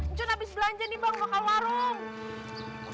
encon abis belanja nih bang bakal warung